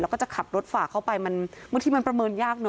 เราก็จะขับรถฝ่าเข้าไปมันเมื่อที่มันประเมินยากเนอะ